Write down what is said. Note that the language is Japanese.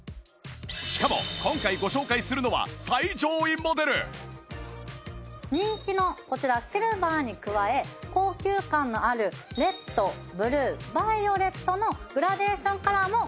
しかも今回ご紹介するのは人気のこちらシルバーに加え高級感のあるレッドブルーバイオレットのグラデーションカラーもご用意しました。